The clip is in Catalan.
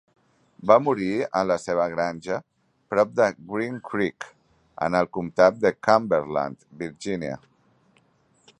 Va morir en la seva granja prop de Green Creek en el comtat de Cumberland, Virginia.